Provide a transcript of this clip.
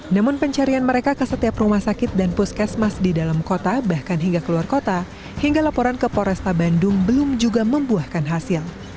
namun pencarian mereka ke setiap rumah sakit dan puskesmas di dalam kota bahkan hingga keluar kota hingga laporan ke polresta bandung belum juga membuahkan hasil